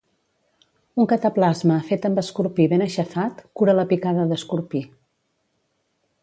Un cataplasma fet amb escorpí ben aixafat, cura la picada d'escorpí.